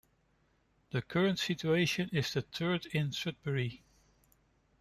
The current station is the third in Sudbury.